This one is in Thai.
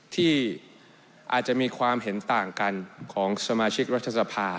ที่อาจจะมีความเห็นต่างกันของสมาชิกรัฐสภา